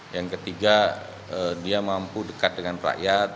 yang ketiga dia mampu dekat dengan rakyat